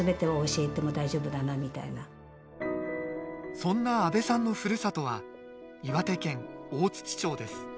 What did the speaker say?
そんな阿部さんのふるさとは岩手県大槌町です